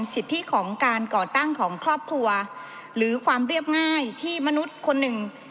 สิทธิของการก่อตั้งของครอบครัวหรือความเรียบง่ายที่มนุษย์คนหนึ่ง